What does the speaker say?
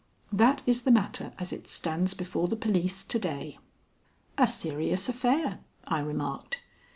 That is the matter as it stands before the police to day." "A serious affair," I remarked.